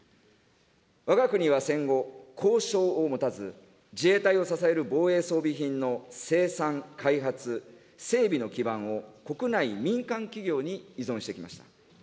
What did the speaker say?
わが国は戦後、工しょうを持たず、自衛隊を支える防衛装備品の生産、開発、整備の基盤を国内民間企業に依存してきました。